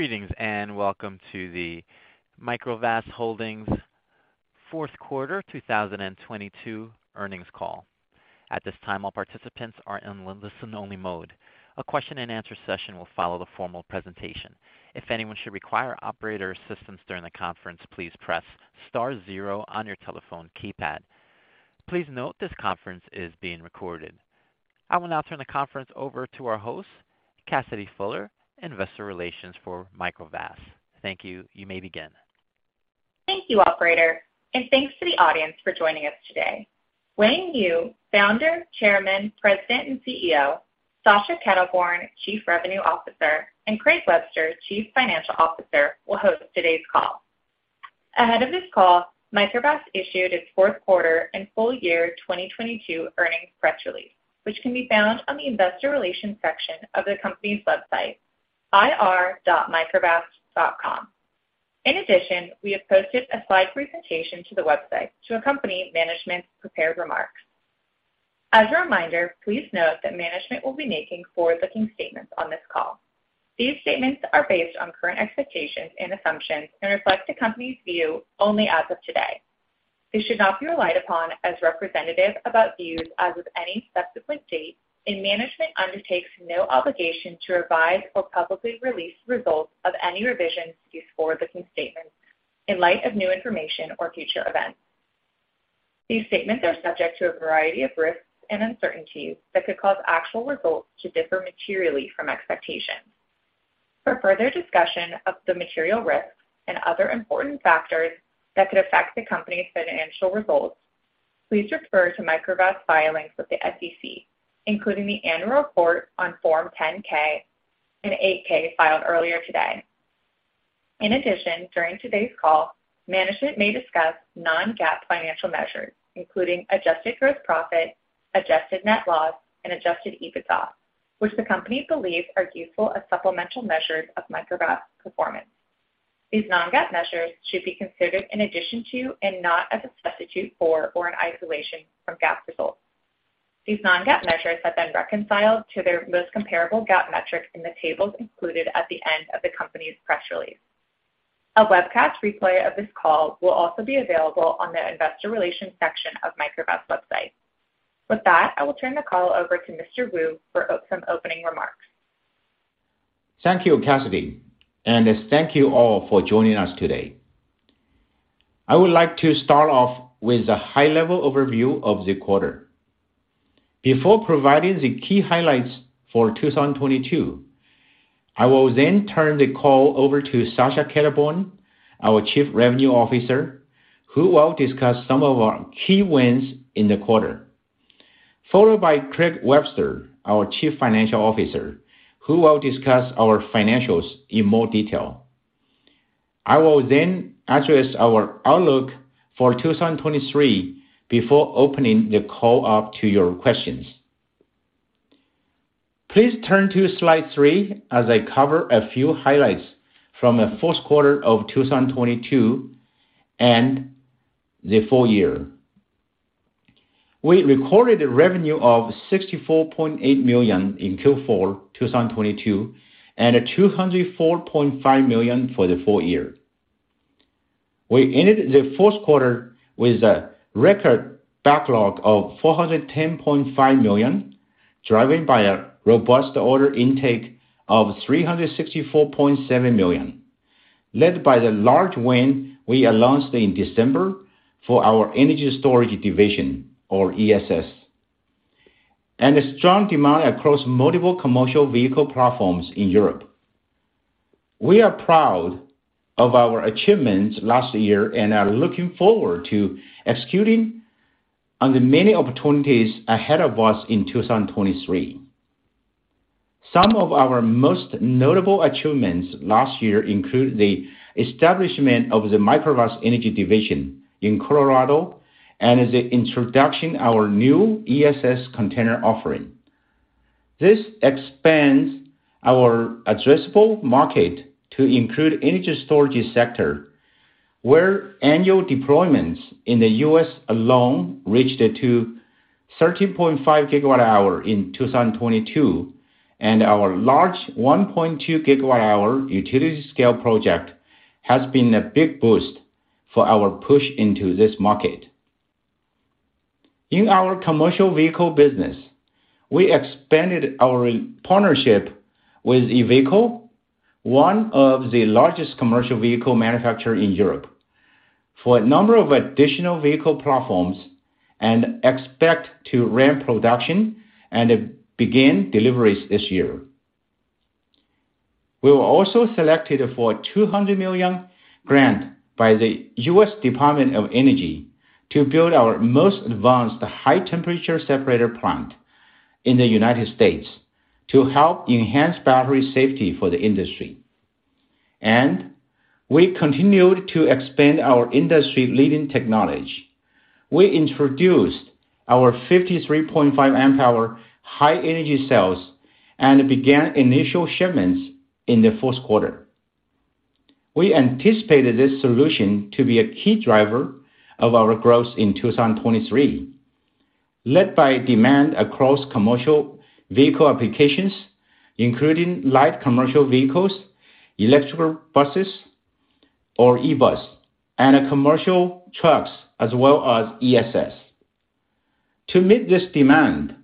Greetings, welcome to the Microvast Holdings fourth quarter 2022 earnings call. At this time, all participants are in listen only mode. A question and answer session will follow the formal presentation. If anyone should require Operator assistance during the conference, please press star zero on your telephone keypad. Please note this conference is being recorded. I will now turn the conference over to our host, Cassidy Fuller, Investor Relations for Microvast. Thank you. You may begin. Thank you, Operator, and thanks to the audience for joining us today. Yang Wu, Founder, Chairman, President, and CEO, Sascha Kelterborn, Chief Revenue Officer, and Craig Webster, Chief Financial Officer, will host today's call. Ahead of this call, Microvast issued its fourth quarter and full year 2022 earnings press release, which can be found on the Investor Relations section of the company's website, ir.microvast.com. In addition, we have posted a slide presentation to the website to accompany management's prepared remarks. As a reminder, please note that management will be making forward-looking statements on this call. These statements are based on current expectations and assumptions and reflect the company's view only as of today. They should not be relied upon as representative about views as of any subsequent date, and management undertakes no obligation to revise or publicly release results of any revisions to these forward-looking statements in light of new information or future events. These statements are subject to a variety of risks and uncertainties that could cause actual results to differ materially from expectations. For further discussion of the material risks and other important factors that could affect the company's financial results, please refer to Microvast filings with the SEC, including the annual report on form 10-K and 8-K filed earlier today. In addition, during today's call, management may discuss Non-GAAP financial measures, including Adjusted gross profit, Adjusted net loss, and Adjusted EBITDA, which the company believes are useful as supplemental measures of Microvast performance. These Non-GAAP measures should be considered in addition to and not as a substitute for or in isolation from GAAP results. These Non-GAAP measures have been reconciled to their most comparable GAAP metrics in the tables included at the end of the company's press release. A webcast replay of this call will also be available on the investor relations section of Microvast website. With that, I will turn the call over to Mr. Wu for some opening remarks. Thank you, Cassidy, and thank you all for joining us today. I would like to start off with a high-level overview of the quarter. Before providing the key highlights for 2022, I will then turn the call over to Sascha Kelterborn, our Chief Revenue Officer, who will discuss some of our key wins in the quarter. Followed by Craig Webster, our Chief Financial Officer, who will discuss our financials in more detail. I will then address our outlook for 2023 before opening the call up to your questions. Please turn to slide three as I cover a few highlights from the fourth quarter of 2022 and the full year. We recorded a revenue of $64.8 million in Q4 2022, and $204.5 million for the full year. We ended the fourth quarter with a record backlog of $410.5 million, driven by a robust order intake of $364.7 million, led by the large win we announced in December for our energy storage division or ESS, and a strong demand across multiple Commercial Vehicle platforms in Europe. We are proud of our achievements last year and are looking forward to executing on the many opportunities ahead of us in 2023. Some of our most notable achievements last year include the establishment of the Microvast Energy Division in Colorado and the introduction our new ESS container offering. This expands our addressable market to include energy storage sector, where annual deployments in the U.S. alone reached to 13.5 gigawatt hour in 2022, and our large 1.2 gigawatt hour utility scale project has been a big boost for our push into this market. In our commercial vehicle business, we expanded our partnership with Iveco, one of the largest Commercial vehicle manufacturer in Europe, for a number of additional vehicle platforms and expect to ramp production and begin deliveries this year. We were also selected for a $200 million grant by the U.S. Department of Energy to build our most advanced high temperature separator plant in the United States to help enhance battery safety for the industry. We continued to expand our industry-leading technology. We introduced our 53.5 amp hour high energy cells and began initial shipments in the fourth quarter. We anticipated this solution to be a key driver of our growth in 2023. Led by demand across commercial vehicle applications, including light Commercial Vehicles, electrical buses or E-Bus, and commercial trucks as well as ESS. To meet this demand,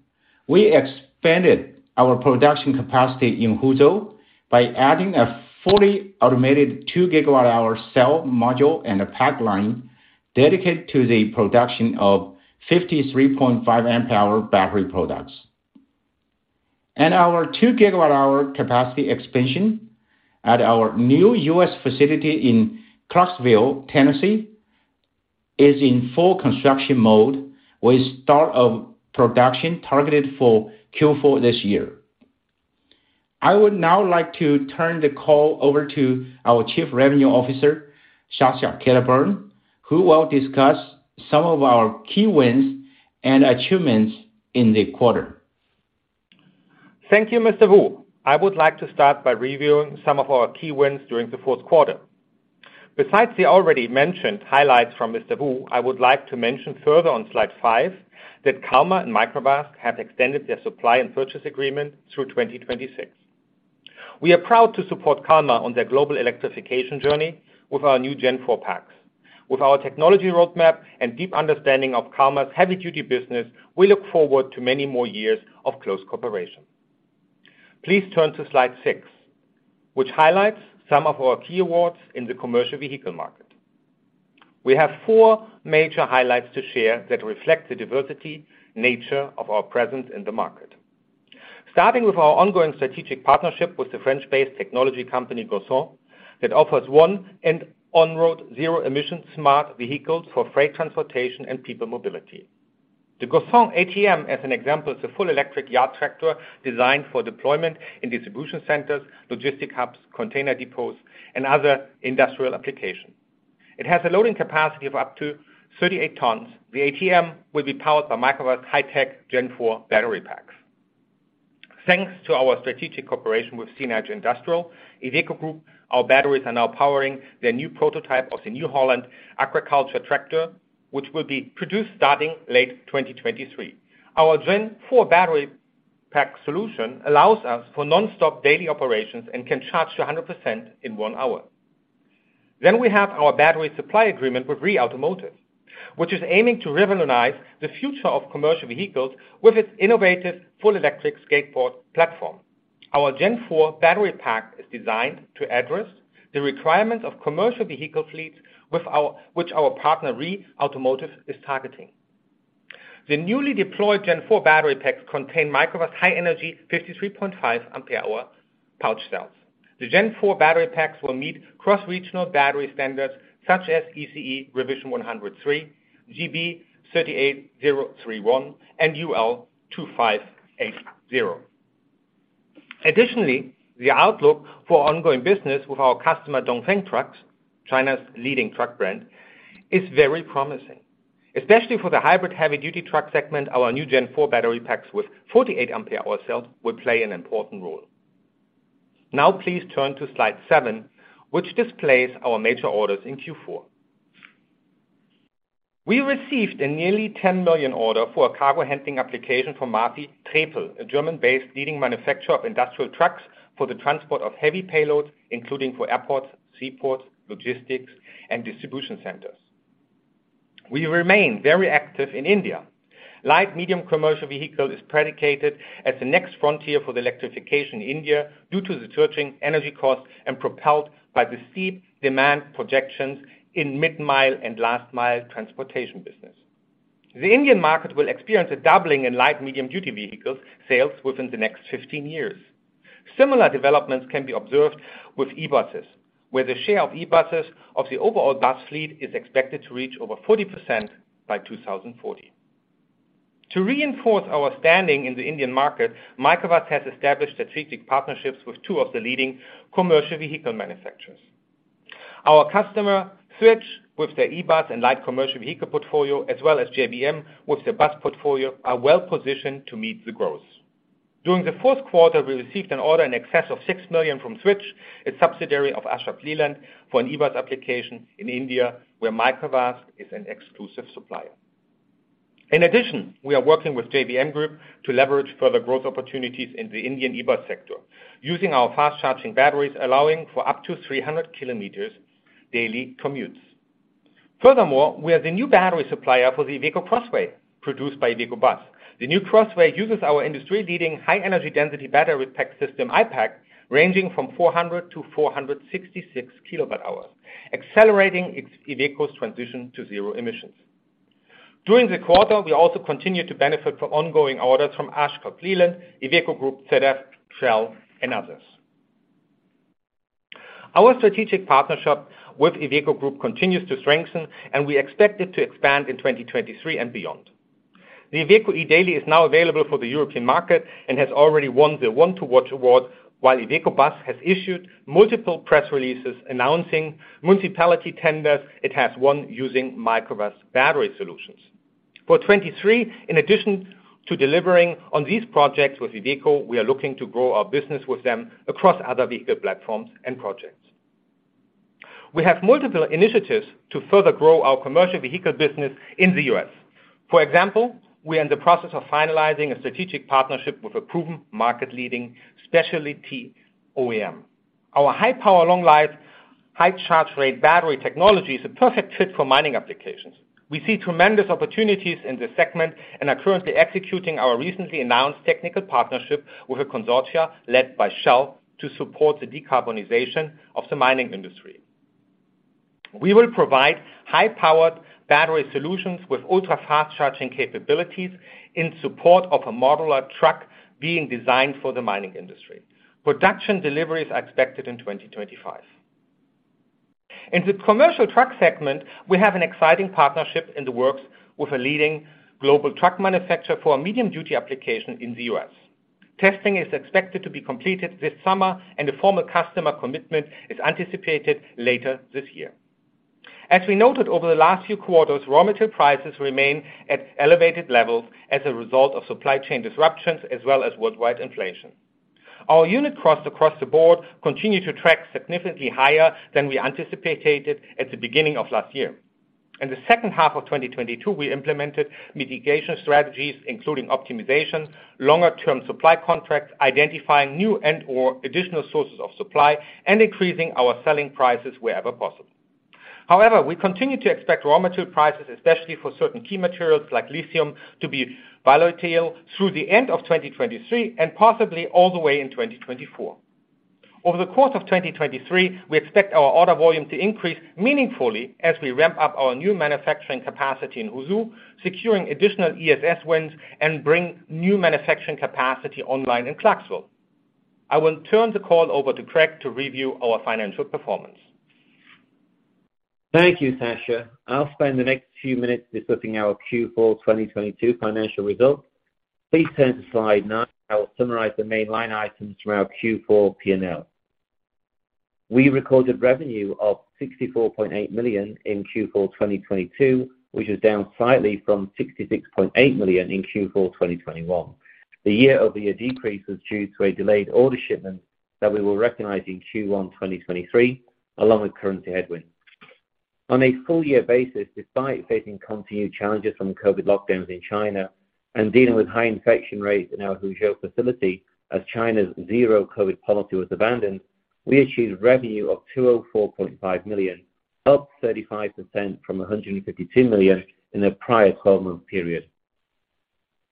we expanded our production capacity in Huzhou by adding a fully automated 2 gigawatt hour cell module and a pack line dedicated to the production of 53.5 amp hour battery products. Our 2 gigawatt hour capacity expansion at our new U.S. facility in Clarksville, Tennessee, is in full construction mode, with start of production targeted for Q4 this year. I would now like to turn the call over to our Chief Revenue Officer, Sascha Kelterborn, who will discuss some of our key wins and achievements in the quarter. Thank you, Mr. Wu. I would like to start by reviewing some of our key wins during the fourth quarter. Besides the already mentioned highlights from Mr. Wu, I would like to mention further on slide five that Kalmar and Microvast have extended their supply and purchase agreement through 2026. We are proud to support Kalmar on their global electrification journey with our new Gen 4 packs. With our technology roadmap and deep understanding of Kalmar's heavy duty business, we look forward to many more years of close cooperation. Please turn to slide six, which highlights some of our key awards in the commercial vehicle market. We have four major highlights to share that reflect the diversity nature of our presence in the market. Starting with our ongoing strategic partnership with the French-based technology company, Gaussin, that offers one and on-road zero-emission smart vehicles for freight transportation and people mobility. The Gaussin ATM, as an example, is a full electric yard tractor designed for deployment in distribution centers, logistic hubs, container depots, and other industrial application. It has a loading capacity of up to 38 tons. The ATM will be powered by Microvast high-tech Gen 4 battery packs. Thanks to our strategic cooperation with CNH Industrial, Iveco Group, our batteries are now powering their new prototype of the New Holland agriculture tractor, which will be produced starting late 2023. Our Gen 4 battery pack solution allows us for nonstop daily operations and can charge to 100% in one hour. We have our battery supply agreement with REE Automotive, which is aiming to revolutionize the future of Commercial Vehicles with its innovative full electric skateboard platform. Our Gen 4 battery pack is designed to address the requirements of commercial vehicle fleets which our partner, REE Automotive, is targeting. The newly deployed Gen 4 battery packs contain Microvast high energy 53.5 ampere-hour pouch cells. The Gen 4 battery packs will meet cross-regional battery standards such as ECE R100.3, GB 38031, and UL 2580. Additionally, the outlook for ongoing business with our customer, Dongfeng Trucks, China's leading truck brand, is very promising. Especially for the hybrid heavy-duty truck segment, our new Gen 4 battery packs with 48 ampere-hour cells will play an important role. Now please turn to slide seven, which displays our major orders in Q4. We received a nearly $10 million order for a cargo handling application from MAFI & TREPEL, a German-based leading manufacturer of industrial trucks for the transport of heavy payloads, including for airports, seaports, logistics, and distribution centers. We remain very active in India. Light/medium commercial vehicle is predicated as the next frontier for the electrification in India due to the surging energy costs and propelled by the steep demand projections in mid mile and last mile transportation business. The Indian market will experience a doubling in light/medium-duty vehicles sales within the next 15 years. Similar developments can be observed with E-Buses, where the share of E-Buses of the overall bus fleet is expected to reach over 40% by 2040. To reinforce our standing in the Indian market, Microvast has established strategic partnerships with two of the leading commercial vehicle manufacturers. Our customer, Switch, with their E-Bus and light commercial vehicle portfolio, as well as JBM with their bus portfolio, are well positioned to meet the growth. During the fourth quarter, we received an order in excess of $6 million from Switch, a subsidiary of Ashok Leyland, for an E-Bus application in India, where Microvast is an exclusive supplier. We are working with JBM Group to leverage further growth opportunities in the Indian E-Bus sector using our fast-charging batteries, allowing for up to 300 kilometers daily commutes. We are the new battery supplier for the Iveco Crossway, produced by Iveco Bus. The new Crossway uses our industry-leading high energy density battery pack system, iPack, ranging from 400-466 kilowatt hours, accelerating Iveco's transition to zero emissions. During the quarter, we also continued to benefit from ongoing orders from Ashok Leyland, Iveco Group, ZF, Shell, and others. Our strategic partnership with Iveco Group continues to strengthen, and we expect it to expand in 2023 and beyond. The Iveco eDaily is now available for the European market and has already won the One to Watch award, while Iveco Bus has issued multiple press releases announcing municipality tenders it has won using Microvast battery solutions. For 2023, in addition to delivering on these projects with Iveco, we are looking to grow our business with them across other vehicle platforms and projects. We have multiple initiatives to further grow our commercial vehicle business in the U.S. For example, we are in the process of finalizing a strategic partnership with a proven market-leading specialty OEM. Our high power, long life, high charge rate battery technology is a perfect fit for mining applications. We see tremendous opportunities in this segment and are currently executing our recently announced technical partnership with a consortia led by Shell to support the decarbonization of the mining industry. We will provide high-powered battery solutions with ultra-fast charging capabilities in support of a modular truck being designed for the mining industry. Production deliveries are expected in 2025. In the commercial truck segment, we have an exciting partnership in the works with a leading global truck manufacturer for a medium duty application in the U.S. Testing is expected to be completed this summer and a formal customer commitment is anticipated later this year. As we noted over the last few quarters, raw material prices remain at elevated levels as a result of supply chain disruptions as well as worldwide inflation. Our unit costs across the board continue to track significantly higher than we anticipated at the beginning of last year. In the second half of 2022, we implemented mitigation strategies including optimization, longer-term supply contracts, identifying new and/or additional sources of supply, and increasing our selling prices wherever possible. We continue to expect raw material prices, especially for certain key materials like lithium, to be volatile through the end of 2023 and possibly all the way in 2024. Over the course of 2023, we expect our order volume to increase meaningfully as we ramp up our new manufacturing capacity in Huzhou, securing additional ESS wins, and bring new manufacturing capacity online in Clarksville. I will turn the call over to Craig to review our financial performance. Thank you, Sascha. I'll spend the next few minutes discussing our Q4 2022 financial results. Please turn to slide nine. I will summarize the main line items from our Q4 P&L. We recorded revenue of $64.8 million in Q4 2022, which is down slightly from $66.8 million in Q4 2021. The year-over-year decrease was due to a delayed order shipment that we will recognize in Q1 2023, along with currency headwinds. On a full year basis, despite facing continued challenges from COVID lockdowns in China and dealing with high infection rates in our Huzhou facility as China's zero-COVID policy was abandoned, we achieved revenue of $204.5 million, up 35% from $152 million in the prior 12-month period.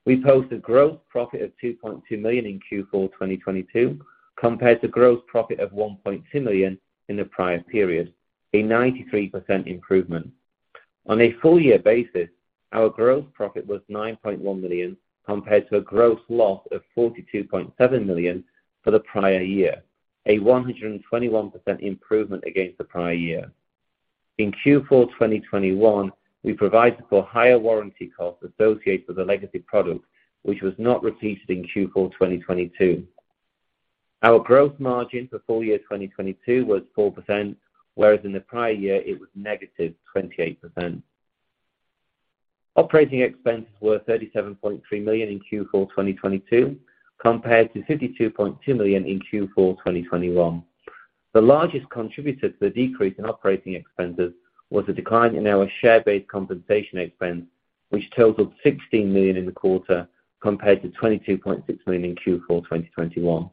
We posted gross profit of $2.2 million in Q4 2022 compared to gross profit of $1.2 million in the prior period, a 93% improvement. On a full year basis, our gross profit was $9.1 million compared to a gross loss of $42.7 million for the prior year, a 121% improvement against the prior year. In Q4 2021, we provided for higher warranty costs associated with a legacy product, which was not repeated in Q4 2022. Our growth margin for full year 2022 was 4%, whereas in the prior year it was negative 28%. Operating expenses were $37.3 million in Q4 2022, compared to $52.2 million in Q4 2021. The largest contributor to the decrease in operating expenses was a decline in our share-based compensation expense, which totaled $16 million in the quarter, compared to $22.6 million in Q4 2021.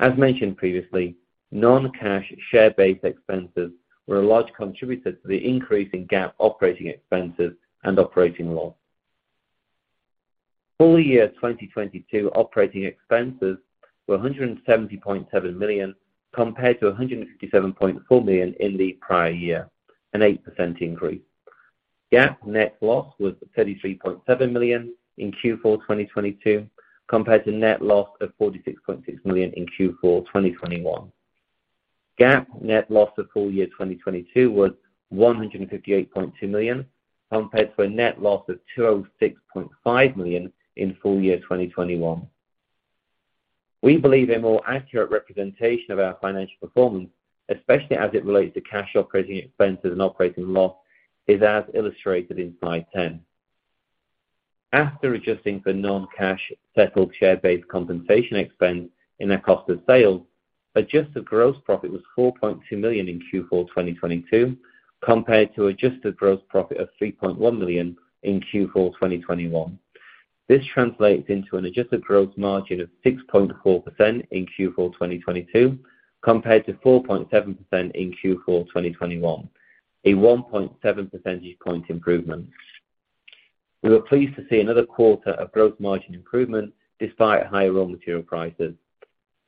As mentioned previously, non-cash share-based expenses were a large contributor to the increase in GAAP operating expenses and operating loss. Full year 2022 operating expenses were $170.7 million, compared to $157.4 million in the prior year, an 8% increase. GAAP net loss was $33.7 million in Q4 2022, compared to net loss of $46.6 million in Q4 2021. GAAP net loss for full year 2022 was $158.2 million, compared to a net loss of $206.5 million in full year 2021. We believe a more accurate representation of our financial performance, especially as it relates to cash operating expenses and operating loss, is as illustrated in slide 10. After adjusting for non-cash settled share-based compensation expense in our cost of sales, adjusted gross profit was $4.2 million in Q4 2022, compared to adjusted gross profit of $3.1 million in Q4 2021. This translates into an adjusted gross margin of 6.4% in Q4 2022, compared to 4.7% in Q4 2021, a 1.7 percentage point improvement. We were pleased to see another quarter of gross margin improvement despite higher raw material prices.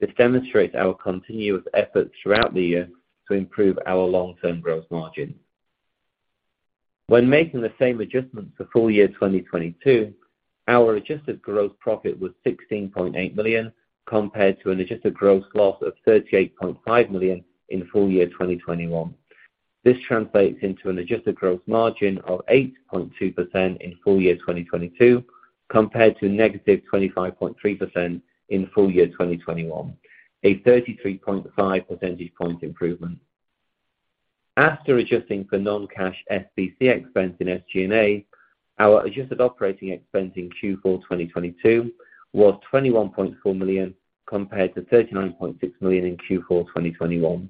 This demonstrates our continuous efforts throughout the year to improve our long-term gross margin. When making the same adjustment for full year 2022, our adjusted gross profit was $16.8 million, compared to an adjusted gross loss of $38.5 million in full year 2021. This translates into an adjusted gross margin of 8.2% in full year 2022, compared to negative 25.3% in full year 2021, a 33.5 percentage point improvement. After adjusting for non-cash SBC expense in SG&A. Our adjusted operating expense in Q4 2022 was $21.4 million compared to $39.6 million in Q4 2021.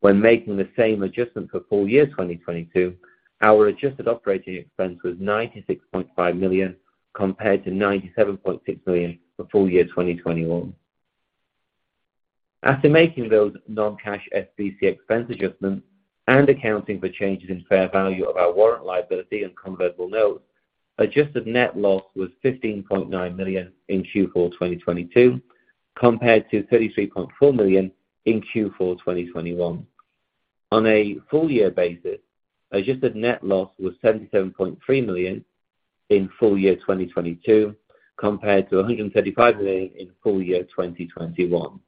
When making the same adjustment for full year 2022, our adjusted operating expense was $96.5 million compared to $97.6 million for full year 2021. After making those non-cash SBC expense adjustments and accounting for changes in fair value of our warrant liability and convertible notes, adjusted net loss was $15.9 million in Q4 2022, compared to $33.4 million in Q4 2021. On a full year basis, adjusted net loss was $77.3 million in full year 2022 compared to $135 million in full year 2021.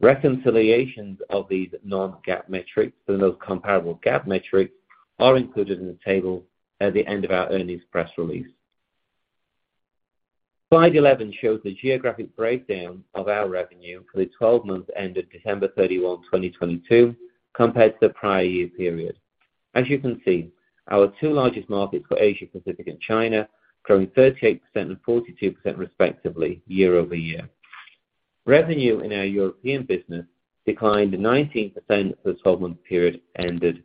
Reconciliations of these Non-GAAP metrics to those comparable GAAP metrics are included in the table at the end of our earnings press release. Slide 11 shows the geographic breakdown of our revenue for the 12 months ending December 31, 2022, compared to the prior year period. As you can see, our two largest markets were Asia-Pacific and China, growing 38% and 42% respectively year-over-year. Revenue in our European business declined 19% for the 12-month period ended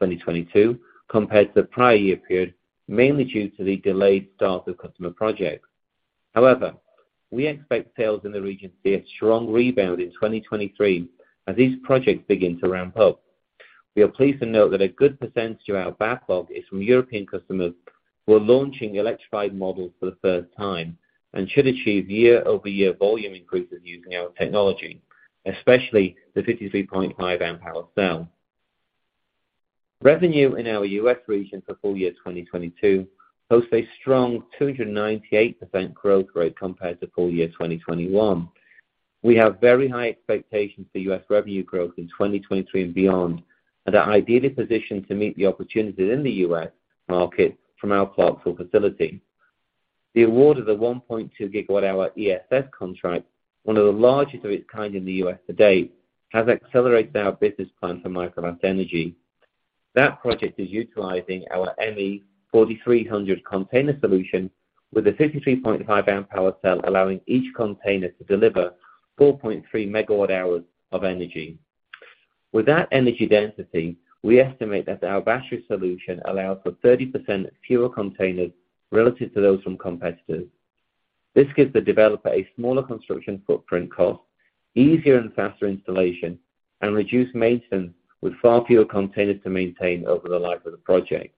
2022 compared to the prior year period, mainly due to the delayed start of customer projects. However, we expect sales in the region to see a strong rebound in 2023 as these projects begin to ramp up. We are pleased to note that a good percentage of our backlog is from European customers who are launching electrified models for the first time and should achieve year-over-year volume increases using our technology, especially the 53.5 amp hour cell. Revenue in our U.S. region for full year 2022 hosts a strong 298% growth rate compared to full year 2021. We have very high expectations for U.S. revenue growth in 2023 and beyond, and are ideally positioned to meet the opportunities in the U.S. market from our Clarksville facility. The award of the 1.2 GWh ESS contract, one of the largest of its kind in the U.S. to date, has accelerated our business plan for Microvast Energy. That project is utilizing our ME-4300 container solution with a 53.5 Ah cell, allowing each container to deliver 4.3 MWh of energy. With that energy density, we estimate that our battery solution allows for 30% fewer containers relative to those from competitors. This gives the developer a smaller construction footprint cost, easier and faster installation, and reduced maintenance with far fewer containers to maintain over the life of the project.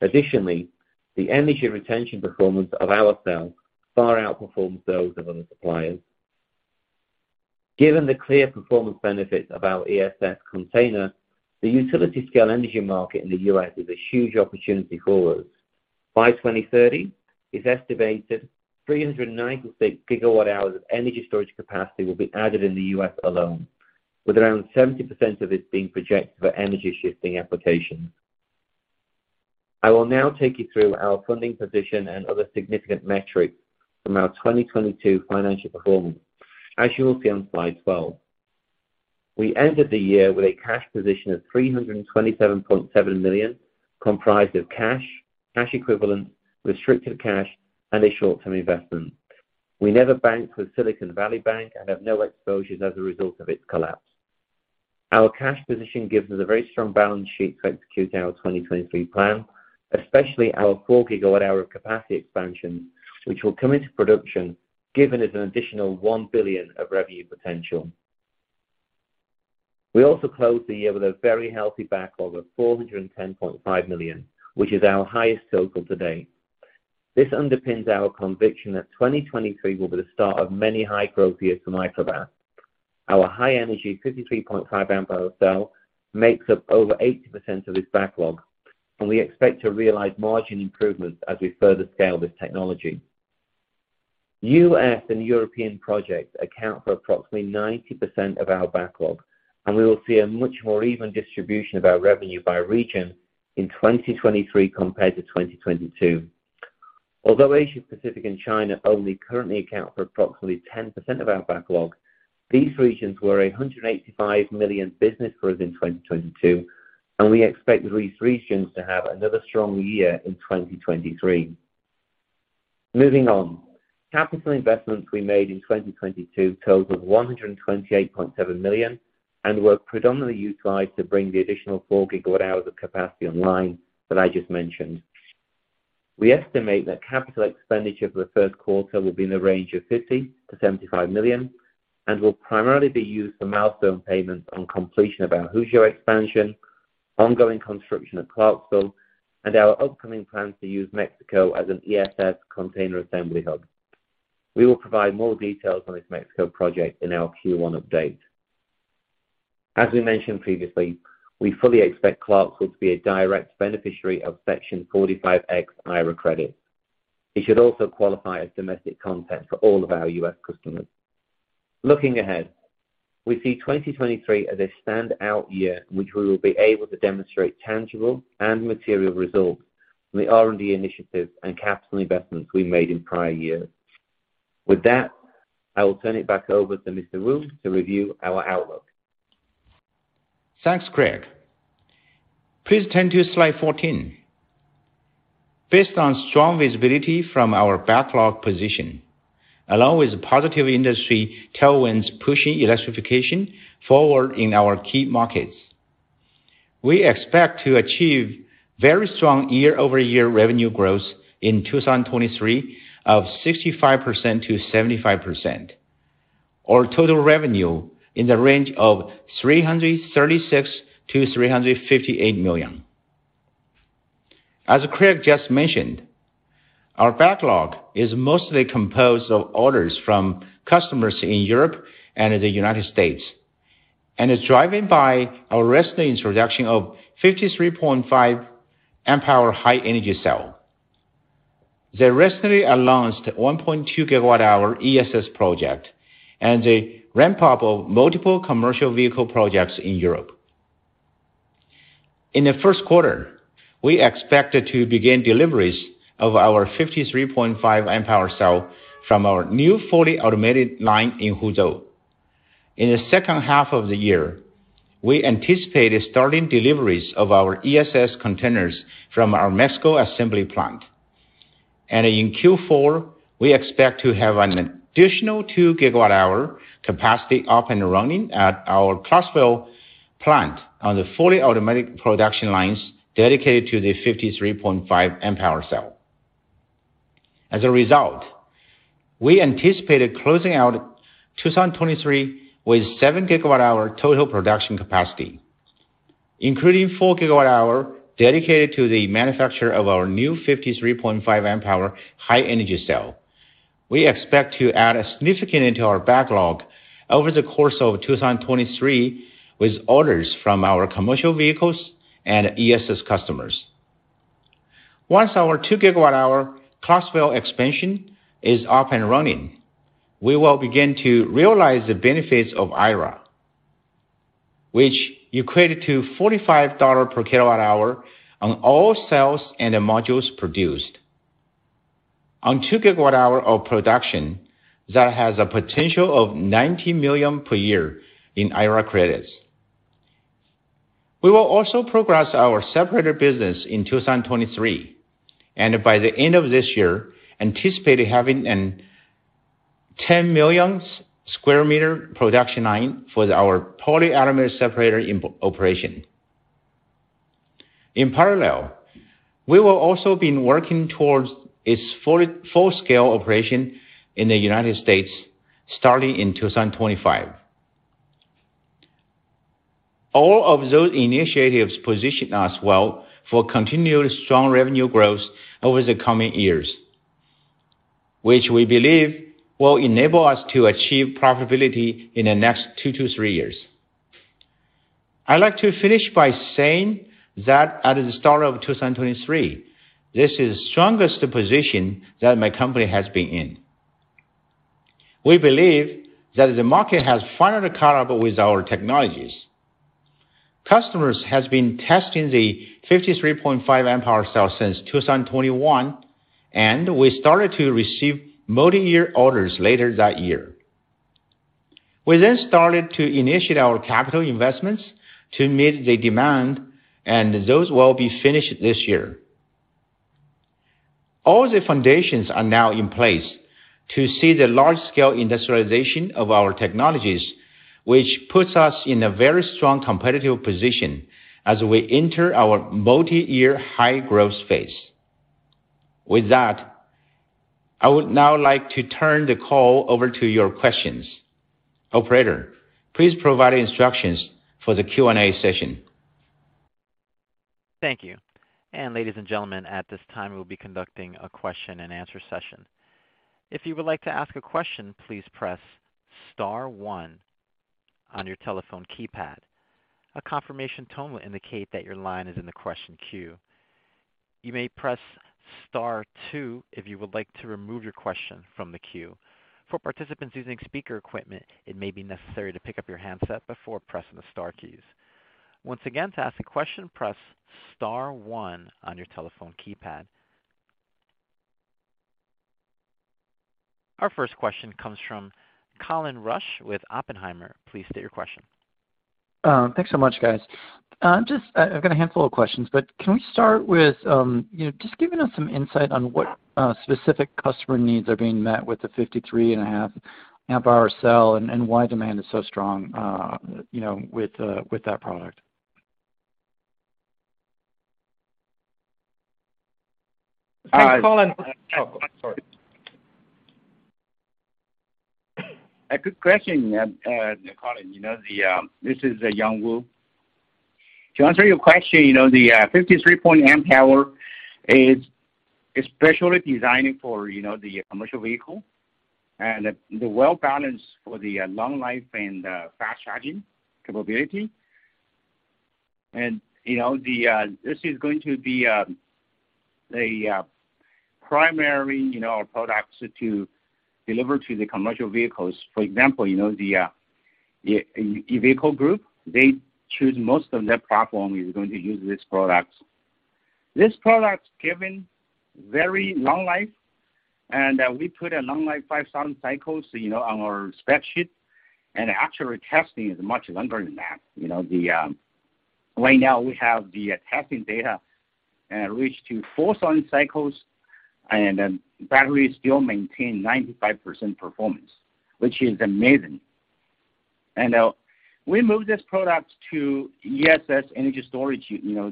Additionally, the energy retention performance of our cells far outperforms those of other suppliers. Given the clear performance benefits of our ESS container, the utility scale energy market in the U.S. is a huge opportunity for us. By 2030, it's estimated 396 GWh of energy storage capacity will be added in the U.S. alone, with around 70% of it being projected for energy shifting applications. I will now take you through our funding position and other significant metrics from our 2022 financial performance. As you will see on slide 12, we ended the year with a cash position of $327.7 million, comprised of cash equivalents, restricted cash, and a short-term investment. We never banked with Silicon Valley Bank and have no exposure as a result of its collapse. Our cash position gives us a very strong balance sheet to execute our 2023 plan, especially our 4 GWh of capacity expansion, which will come into production, giving us an additional $1 billion of revenue potential. We also closed the year with a very healthy backlog of $410.5 million, which is our highest total to date. This underpins our conviction that 2023 will be the start of many high-growth years for Microvast. Our high energy 53.5 amp hour cell makes up over 80% of this backlog, and we expect to realize margin improvements as we further scale this technology. U.S. and European projects account for approximately 90% of our backlog, and we will see a much more even distribution of our revenue by region in 2023 compared to 2022. Although Asia-Pacific and China only currently account for approximately 10% of our backlog, these regions were a $185 million business for us in 2022, and we expect these regions to have another strong year in 2023. Moving on. Capital investments we made in 2022 totaled $128.7 million and were predominantly utilized to bring the additional 4 gigawatt hours of capacity online that I just mentioned. We estimate that capital expenditure for the 1st quarter will be in the range of $50 million-$75 million and will primarily be used for milestone payments on completion of our Huzhou expansion, ongoing construction at Clarksville, and our upcoming plans to use Mexico as an ESS container assembly hub. We will provide more details on this Mexico project in our Q1 update. As we mentioned previously, we fully expect Clarksville to be a direct beneficiary of Section 45X IRA credit. It should also qualify as domestic content for all of our U.S. customers. Looking ahead, we see 2023 as a standout year in which we will be able to demonstrate tangible and material results from the R&D initiatives and capital investments we made in prior years. With that, I will turn it back over to Mr. Wu to review our outlook. Thanks, Craig. Please turn to slide 14. Based on strong visibility from our backlog position, along with positive industry tailwinds pushing electrification forward in our key markets, we expect to achieve very strong year-over-year revenue growth in 2023 of 65%-75%, or total revenue in the range of $336 million-$358 million. As Craig just mentioned, our backlog is mostly composed of orders from customers in Europe and the United States and is driven by our recent introduction of 53.5 amp hour high energy cell. The recently announced 1.2 gigawatt hour ESS project and the ramp-up of multiple commercial vehicle projects in Europe. In the first quarter, we expected to begin deliveries of our 53.5 amp hour cell from our new fully automated line in Huzhou. In the second half of the year, we anticipate starting deliveries of our ESS containers from our Mexico assembly plant. In Q4, we expect to have an additional 2 gigawatt hour capacity up and running at our Clarksville plant on the fully automatic production lines dedicated to the 53.5 amp hour cell. As a result, we anticipate closing out 2023 with 7 gigawatt hour total production capacity, including 4 gigawatt hour dedicated to the manufacture of our new 53.5 amp hour high energy cell. We expect to add significantly to our backlog over the course of 2023 with orders from our Commercial Vehicles and ESS customers. Once our 2 gigawatt-hour Clarksville expansion is up and running, we will begin to realize the benefits of IRA, which equate to $45 per kilowatt on all cells and the modules produced. On 2 gigawatt-hour of production, that has a potential of $90 million per year in IRA credits. We will also progress our separator business in 2023, and by the end of this year, anticipate having an 10 million square meter production line for our polyaramid separator in operation. In parallel, we will also been working towards its full-scale operation in the United States starting in 2025. All of those initiatives position us well for continued strong revenue growth over the coming years, which we believe will enable us to achieve profitability in the next two to three years. I'd like to finish by saying that at the start of 2023, this is strongest position that my company has been in. We believe that the market has finally caught up with our technologies. Customers has been testing the 53.5 amp hour cell since 2021. We started to receive multi-year orders later that year. We started to initiate our capital investments to meet the demand. Those will be finished this year. All the foundations are now in place to see the large scale industrialization of our technologies, which puts us in a very strong competitive position as we enter our multi-year high growth space. With that, I would now like to turn the call over to your questions. Operator, please provide instructions for the Q&A session. Thank you. Ladies and gentlemen, at this time, we'll be conducting a question and answer session. If you would like to ask a question, please press star one on your telephone keypad. A confirmation tone will indicate that your line is in the question queue. You may press star two if you would like to remove your question from the queue. For participants using speaker equipment, it may be necessary to pick up your handset before pressing the star keys. Once again, to ask a question, press star one on your telephone keypad. Our first question comes from Colin Rusch with Oppenheimer. Please state your question. Thanks so much, guys. just, I've got a handful of questions, can we start with, you know, just giving us some insight on what specific customer needs are being met with the 53.5 Ah cell and why demand is so strong, you know, with that product? Thanks, Colin. Oh, sorry. A good question, Colin. You know, this is Yang Wu. To answer your question, you know, the 53 amp hour is especially designed for, you know, the commercial vehicle and the well-balanced for the long life and fast charging capability. You know, this is going to be the primary, you know, products to deliver to the Commercial Vehicles. For example, you know, the Iveco Group, they choose most of their platform is going to use these products. This product's given very long life, and we put a long life, five thousand cycles, you know, on our spreadsheet, and actual testing is much longer than that. You know, right now we have the testing data reached to four thousand cycles, and the battery still maintain 95% performance, which is amazing. We move this product to ESS energy storage, you know,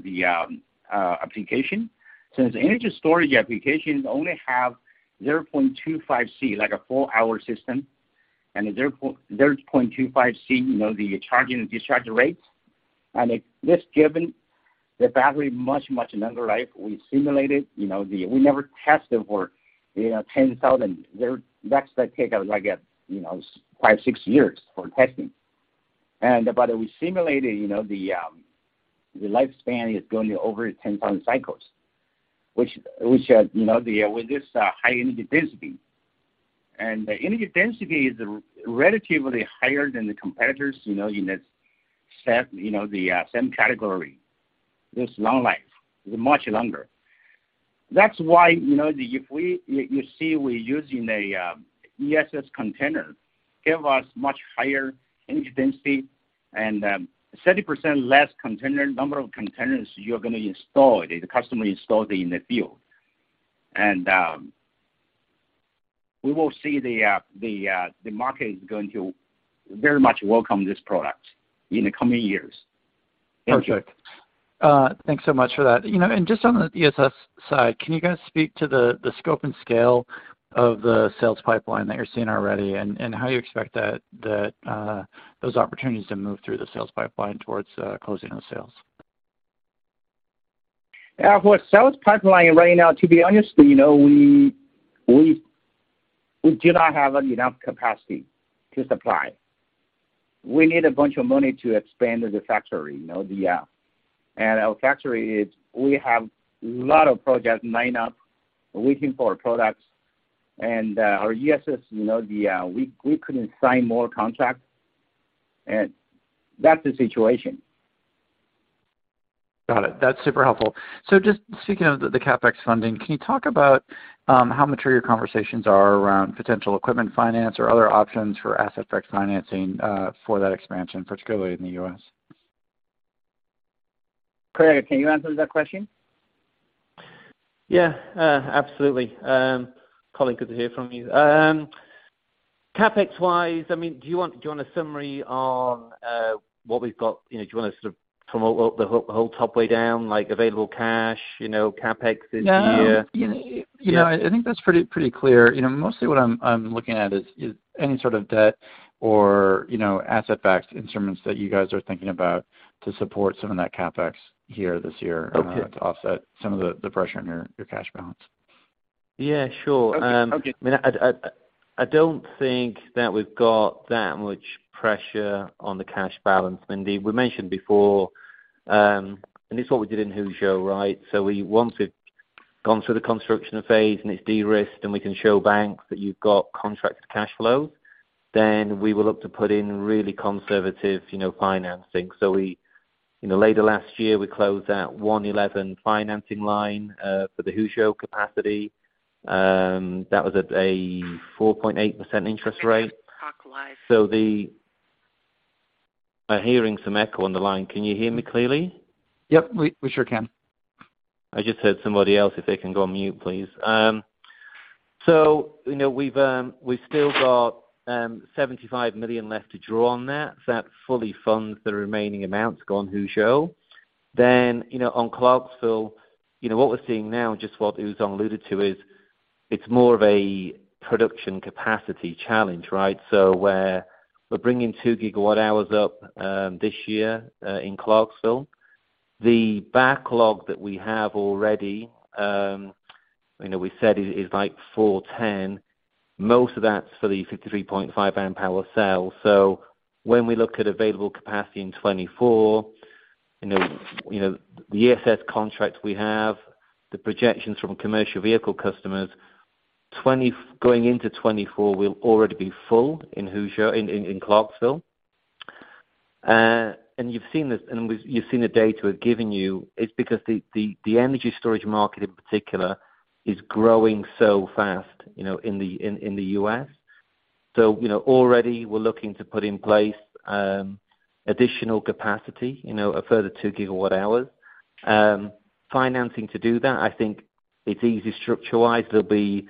application. Since energy storage applications only have 0.25 C, like a four-hour system, and 0.25 C, you know, the charging and discharging rates, this given the battery much, much longer life. We simulated, you know, we never tested for, you know, 10,000. That's gonna take us, I guess, you know, five, six years for testing. But we simulated, you know, the lifespan is going over 10,000 cycles, which, you know, with this high energy density. The energy density is relatively higher than the competitors, you know, in the same, you know, same category. This long life, much longer. That's why, you know, you see we're using a ESS container, give us much higher energy density and 30% less container, number of containers you're gonna install, the customer install in the field. We will see the market is going to very much welcome this product in the coming years. Thank you. Perfect. Thanks so much for that. You know, just on the ESS side, can you guys speak to the scope and scale of the sales pipeline that you're seeing already and how you expect those opportunities to move through the sales pipeline towards closing those sales? Yeah. For sales pipeline right now, to be honest, you know, we do not have enough capacity to supply. We need a bunch of money to expand the factory. You know, our factory is, we have a lot of projects lined up waiting for products. Our ESS, you know, we couldn't sign more contracts, and that's the situation. Got it. That's super helpful. Just speaking of the CapEx funding, can you talk about how mature your conversations are around potential equipment finance or other options for asset-backed financing for that expansion, particularly in the U.S.? Craig, can you answer that question? Yeah. Absolutely. Colin, good to hear from you. CapEx-wise, I mean, do you want a summary on, what we've got? You know, do you want to sort of promote the whole top way down, like available cash, you know, CapEx this year? No. You know- Yeah. I think that's pretty clear. You know, mostly what I'm looking at is any sort of debt or, you know, asset-backed instruments that you guys are thinking about to support some of that CapEx here this year. Okay. To offset some of the pressure on your cash balance. Yeah, sure. Okay. Okay. I don't think that we've got that much pressure on the cash balance, Mandy. We mentioned before, this is what we did in Huzhou, right? Once we've gone through the construction phase and it's de-risked, and we can show banks that you've got contract cash flows, then we will look to put in really conservative, you know, financing. You know, later last year, we closed that 111 financing line for the Huzhou capacity. That was at a 4.8% interest rate. I'm hearing some echo on the line. Can you hear me clearly? Yep, we sure can. I just heard somebody else, if they can go on mute, please. You know, we've still got $75 million left to draw on that. That fully funds the remaining amounts going Huzhou. You know, on Clarksville, you know, what we're seeing now, just what Yang Wu alluded to is, it's more of a production capacity challenge, right? Where we're bringing 2 gigawatt hours up this year in Clarksville. The backlog that we have already, you know, we said is like 410. Most of that's for the 53.5 amp power cell. When we look at available capacity in 2024, you know, you know, the ESS contracts we have, the projections from commercial vehicle customers, going into 2024, we'll already be full in Clarksville. You've seen this, and you've seen the data we've given you. It's because the, the energy storage market in particular is growing so fast, you know, in the, in the US. Already we're looking to put in place additional capacity, you know, a further two gigawatt hours. Financing to do that, I think it's easy structure-wise. There'll be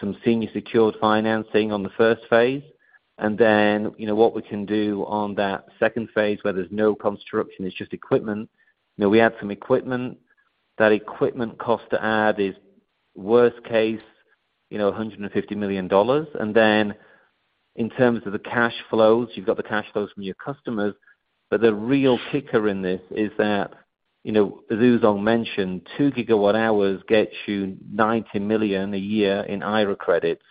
some senior secured financing on the first phase. You know, what we can do on that second phase where there's no construction, it's just equipment. You know, we add some equipment. That equipment cost to add is worst case, you know, $150 million. In terms of the cash flows, you've got the cash flows from your customers. The real kicker in this is that, you know, as Yang Wu mentioned, 2 gigawatt hours gets you $90 million a year in IRA credits.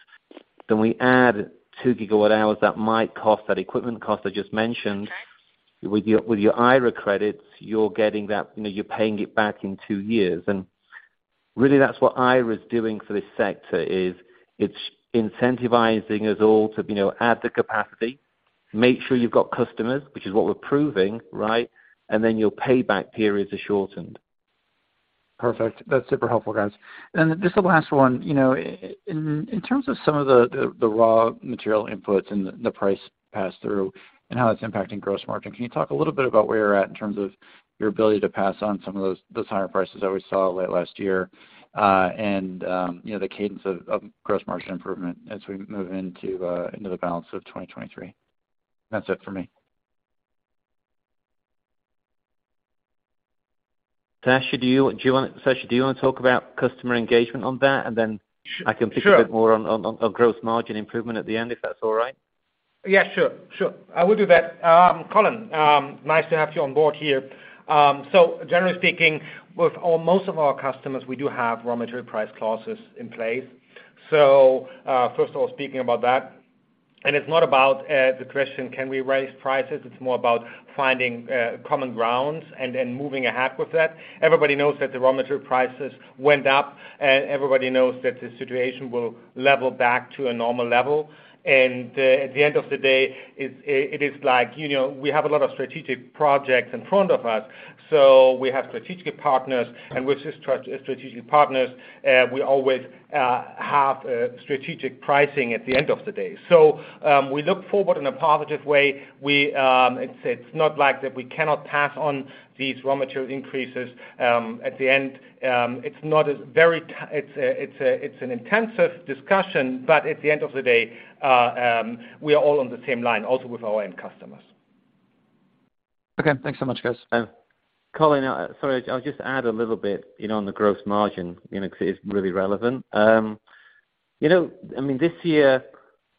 We add 2 gigawatt hours that might cost, that equipment cost I just mentioned. With your, with your IRA credits, you're getting that, you know, you're paying it back in 2 years. Really, that's what IRA's doing for this sector is it's incentivizing us all to, you know, add the capacity, make sure you've got customers, which is what we're proving, right? Your payback periods are shortened. Perfect. That's super helpful, guys. Just a last one. You know, in terms of the raw material inputs and the price pass-through and how it's impacting gross margin, can you talk a little bit about where you're at in terms of your ability to pass on those higher prices that we saw late last year, you know, the cadence of gross margin improvement as we move into the balance of 2023? That's it for me. Sascha, do you want to talk about customer engagement on that, and then. Sure. I can speak a bit more on gross margin improvement at the end, if that's all right. Yeah, sure. Sure. I will do that. Colin, nice to have you on board here. Generally speaking, with most of our customers, we do have raw material price clauses in place. First of all, speaking about that, it is not about the question, can we raise prices? It is more about finding common grounds and then moving ahead with that. Everybody knows that the raw material prices went up, and everybody knows that the situation will level back to a normal level. At the end of the day, it is like, you know, we have a lot of strategic projects in front of us, so we have strategic partners, and with these strategic partners, we always have strategic pricing at the end of the day. We look forward in a positive way. It's not like that we cannot pass on these raw material increases, at the end. It's an intensive discussion, but at the end of the day, we are all on the same line also with our end customers. Okay. Thanks so much, guys. Colin Rusch. I'll just add a little bit, you know, on the gross margin, you know, 'cause it's really relevant. You know, I mean, this year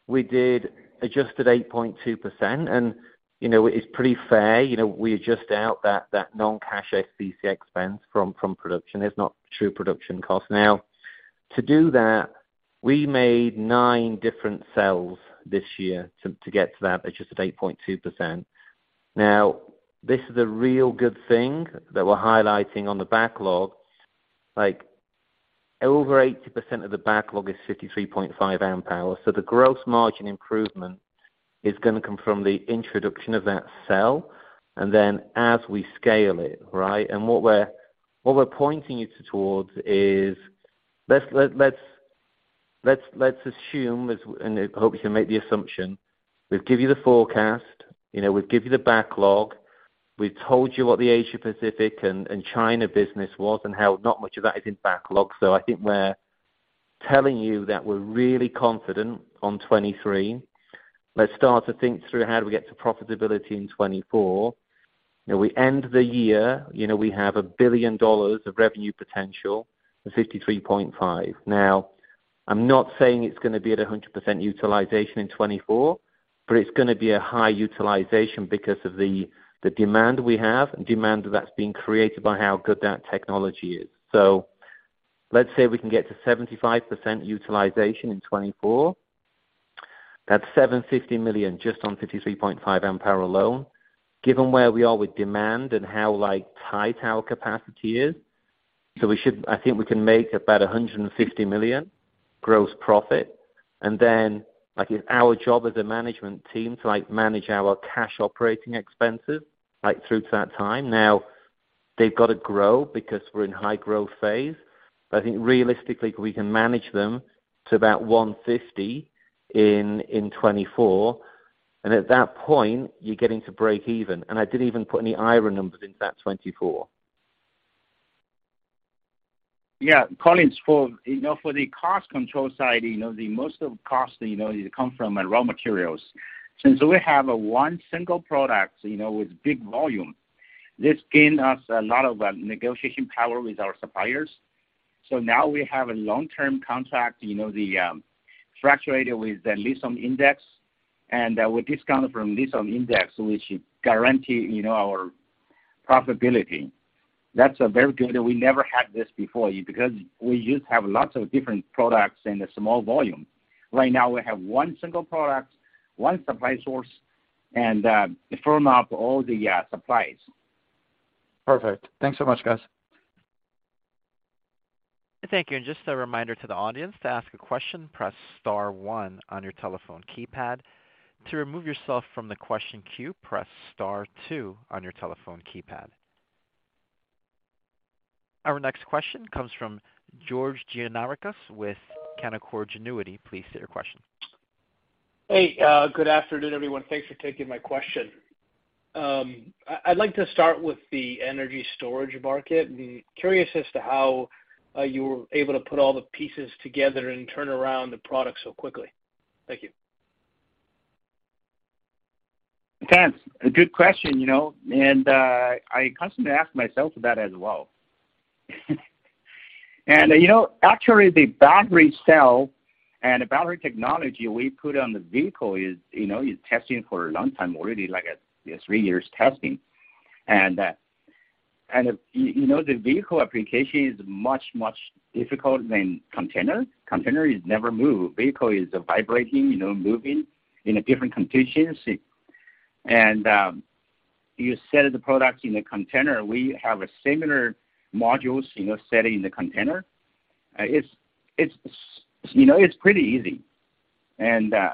we did adjusted 8.2% and, you know, it's pretty fair. You know, we adjust out that non-cash SBC expense from production. It's not true production cost. Now, to do that, we made nine different cells this year to get to that adjusted 8.2%. Now, this is a real good thing that we're highlighting on the backlog. Like, over 80% of the backlog is 53.5 amp hours. The gross margin improvement is gonna come from the introduction of that cell and then as we scale it, right? What we're pointing you towards is let's assume as, and I hope you can make the assumption, we've given you the forecast, you know, we've given you the backlog. We've told you what the Asia Pacific and China business was and how not much of that is in backlog. I think we're telling you that we're really confident on 2023. Let's start to think through how do we get to profitability in 2024. You know, we end the year, you know, we have $1 billion of revenue potential for 53.5. I'm not saying it's gonna be at 100% utilization in 2024, but it's gonna be a high utilization because of the demand we have and demand that's being created by how good that technology is. Let's say we can get to 75% utilization in 2024. That's $750 million just on 53.5 amp hour alone. Given where we are with demand and how tight our capacity is, I think we can make about $150 million gross profit. Then, it's our job as a management team to manage our cash operating expenses through to that time. Now, they've got to grow because we're in high growth phase. I think realistically we can manage them to about $150 in 2024, and at that point, you're getting to breakeven. I didn't even put any IRA numbers into that 2024. Yeah. Colin, for, you know, for the cost control side, you know, the most of cost, you know, come from raw materials. Since we have a one single product, you know, with big volume, this gain us a lot of negotiation power with our suppliers. Now we have a long-term contract, you know, the fluctuator with the lithium index and with discount from lithium index which guarantee, you know, our profitability. That's a very good. We never had this before because we used to have lots of different products in a small volume. Right now we have one single product, one supply source, and firm up all the supplies. Perfect. Thanks so much, guys. Thank you. Just a reminder to the audience, to ask a question, press star one on your telephone keypad. To remove yourself from the question queue, press star two on your telephone keypad. Our next question comes from George Gianarikas with Canaccord Genuity. Please state your question. Hey, good afternoon, everyone. Thanks for taking my question. I'd like to start with the energy storage market. Curious as to how you were able to put all the pieces together and turn around the product so quickly. Thank you. Thanks. A good question, you know. I constantly ask myself that as well. you know, actually, the battery cell and the battery technology we put on the vehicle is, you know, is testing for a long time already, like, three years testing. you know, the vehicle application is much difficult than container. Container is never move. Vehicle is vibrating, you know, moving in a different conditions. you set the products in a container. We have a similar modules, you know, set in the container. it's, you know, it's pretty easy.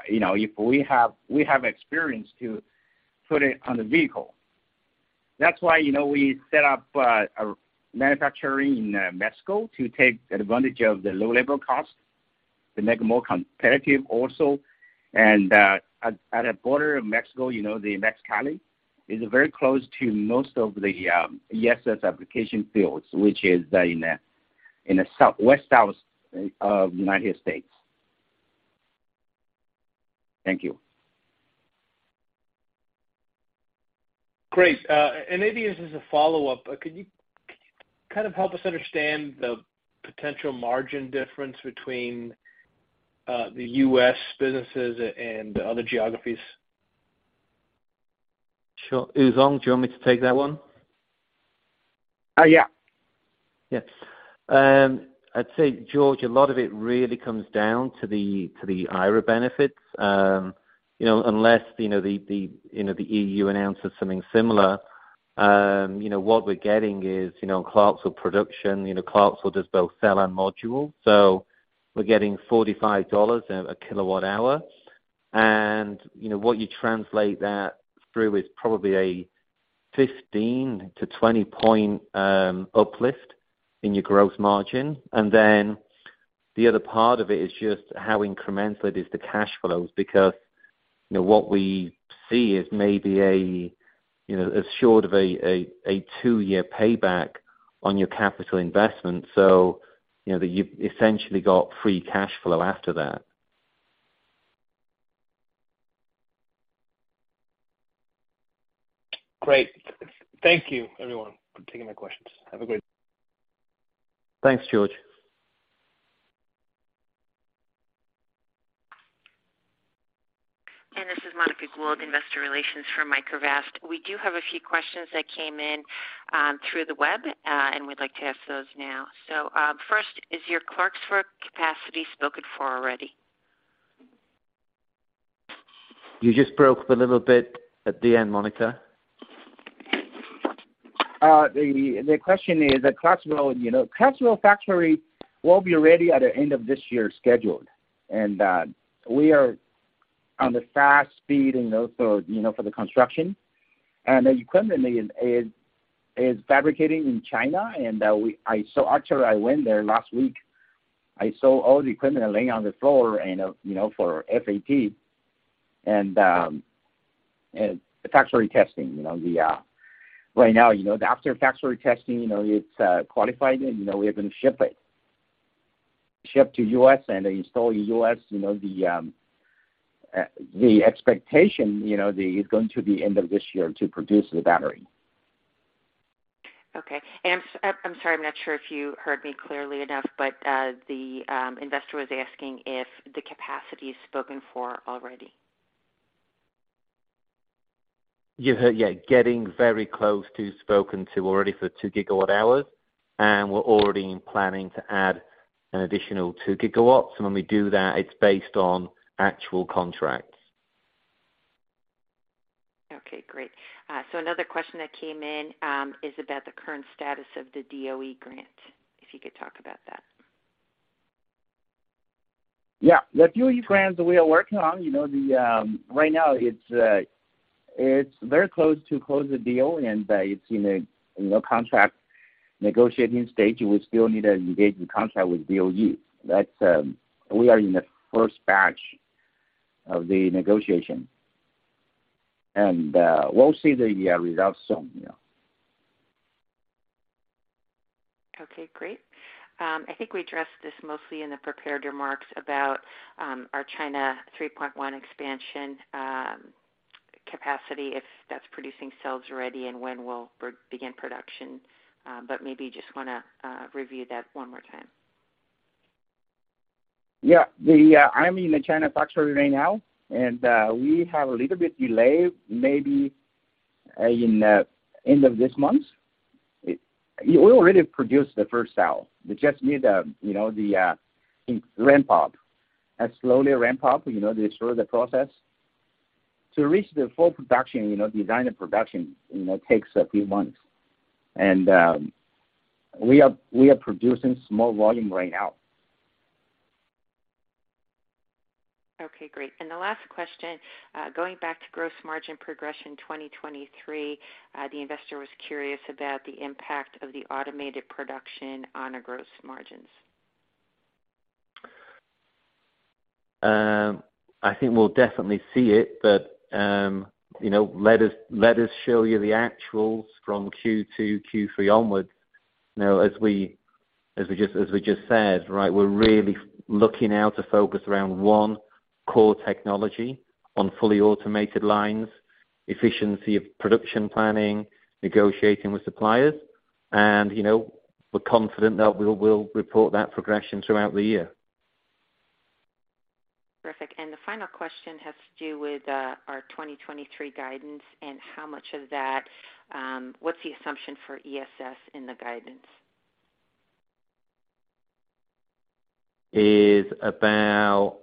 you know, if we have, we have experience to put it on the vehicle. That's why, you know, we set up a manufacturing in Mexico to take advantage of the low labor cost to make more competitive also. at the border of Mexico, you know, the Mexicali, is very close to most of the ESS application fields, which is in a south- west south of United States. Thank you. Great. Maybe this is a follow-up. Could you kind of help us understand the potential margin difference between the U.S. businesses and other Geographies? Sure. Yang Wu, do you want me to take that one? Yeah. I'd say, George, a lot of it really comes down to the IRA benefits. You know, unless, you know, the, you know, the EU announces something similar, you know, what we're getting is, you know, Clarksville production. You know, Clarksville does both cell and module. We're getting $45 a kilowatt hour and, you know, what you translate that through is probably a 15%-20% uplift in your growth margin. The other part of it is just how incremental it is to cash flows because, you know, what we see is maybe a, you know, as short of a two-year payback on your capital investment, you know, that you've essentially got free cash flow after that. Great. Thank you, everyone, for taking my questions. Have a great- Thanks, George. This is Monica Gould, investor relations for Microvast. We do have a few questions that came in through the web, and we'd like to ask those now. First, is your Clarksville capacity spoken for already? You just broke up a little bit at the end, Monica. The question is that Clarksville, you know, Clarksville factory will be ready at the end of this year scheduled. We are on the fast speed and also, you know, for the construction. The equipment is fabricating in China, I saw. Actually, I went there last week. I saw all the equipment laying on the floor and, you know, for FAT and the factory testing. You know, we right now, after factory testing, it's qualified and, you know, we are gonna ship it. Ship to U.S. and install in U.S.. You know, the expectation, you know, the is going to be end of this year to produce the battery. Okay. I'm sorry, I'm not sure if you heard me clearly enough, the investor was asking if the capacity is spoken for already. You heard, yeah. Getting very close to spoken to already for 2 gigawatt hours, we're already planning to add an additional 2 gigawatts. When we do that, it's based on actual contracts. Okay, great. Another question that came in, is about the current status of the DOE grant. If you could talk about that. Yeah. The DOE grants we are working on, you know, right now, it's very close to close the deal and, it's in a, you know, contract negotiating stage. We still need to engage the contract with DOE. That's, we are in the first batch of the negotiation. We'll see the results soon, you know. Okay, great. I think we addressed this mostly in the prepared remarks about our China 3.1 expansion capacity, if that's producing cells already and when we'll begin production. Maybe you just wanna review that one more time. Yeah. The, I'm in the China factory right now, we have a little bit delayed, maybe, in the end of this month. We already produced the first cell. We just need, you know, the ramp up. Slowly ramp up, you know, to ensure the process. To reach the full production, you know, design and production, you know, takes a few months. We are producing small volume right now. Okay, great. The last question, going back to gross margin progression 2023, the investor was curious about the impact of the automated production on the gross margins. I think we'll definitely see it, but, you know, let us show you the actuals from Q2, Q3 onwards. You know, as we just said, right, we're really looking now to focus around one core technology on fully automated lines, efficiency of production planning, negotiating with suppliers, and, you know, we're confident that we will report that progression throughout the year. Terrific. The final question has to do with our 2023 guidance and how much of that, what's the assumption for ESS in the guidance? Is about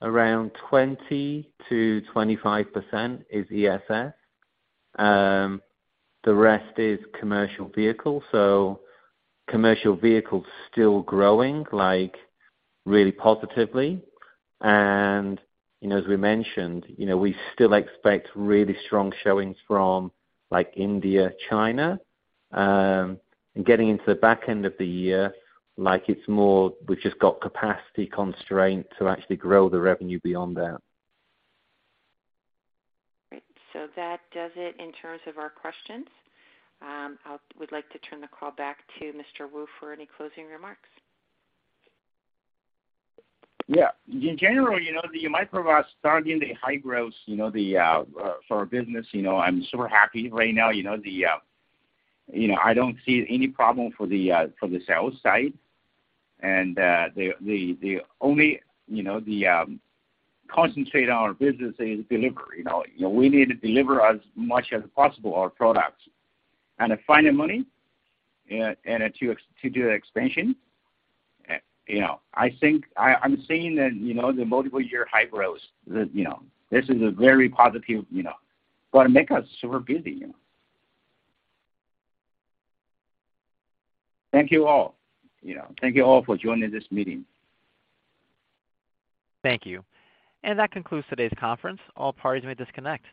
around 20%-25% is ESS. The rest is Commercial Vehicles. Commercial Vehicles still growing, like, really positively. You know, as we mentioned, you know, we still expect really strong showings from, like, India, China. Getting into the back end of the year, like, it's more we've just got capacity constraint to actually grow the revenue beyond that. Great. That does it in terms of our questions. We'd like to turn the call back to Mr. Wu for any closing remarks. Yeah. In general, you know, the Microvast starting the high-growth, you know, for our business, you know, I'm super happy right now. You know, you know, I don't see any problem for the sales side. The only, you know, concentrate on our business is delivery, you know. You know, we need to deliver as much as possible our products. Find the money to do the expansion. You know, I think I'm seeing an, you know, multiple year high-growth, you know, this is a very positive, you know, gonna make us super busy, you know. Thank you, all. You know, thank you all for joining this meeting. Thank you. That concludes today's conference. All parties may disconnect.